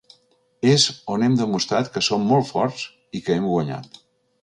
És on hem demostrat que som molt forts i que hem guanyat.